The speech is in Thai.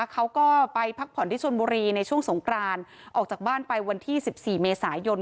เขาก็ไปพักผ่อนที่ชนบุรีในช่วงสงกรานออกจากบ้านไปวันที่๑๔เมษายน